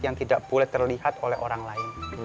yang tidak boleh terlihat oleh orang lain